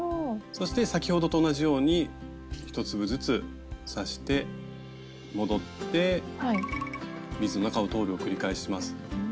そして先ほどと同じように１粒ずつ刺して戻ってビーズの中を通るを繰り返します。